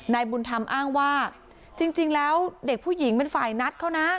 บุญธรรมอ้างว่าจริงแล้วเด็กผู้หญิงเป็นฝ่ายนัดเขานะ